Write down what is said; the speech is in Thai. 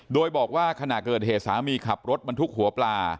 โดยบอกว่าขณะเกิดเหตุสามีขับรถบรรทุกหัวปลา